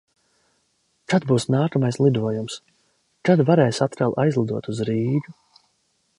Kad būs nākamais lidojums? Kad varēs atkal aizlidot uz Rīgu?